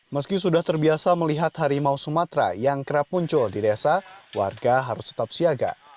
meski sudah terbiasa melihat harimau sumatera yang kerap muncul di desa warga harus tetap siaga